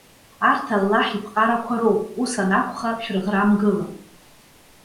Арҭ Аллаҳ иԥҟарақәа роуп. Ус анакәха, шәрыӷрамгылан.